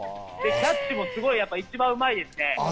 キャッチも一番うまいですね。